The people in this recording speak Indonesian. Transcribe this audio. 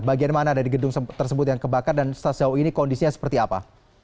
bagian mana dari gedung tersebut yang kebakar dan sejauh ini kondisinya seperti apa